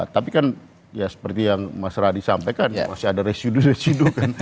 tapi kan ya seperti yang mas radi sampaikan masih ada residu residu kan